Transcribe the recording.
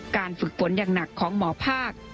ฝึกฝนอย่างหนักของหมอภาค